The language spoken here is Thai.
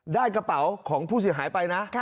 ได้กระเป๋าของผู้เสียหายไปนะ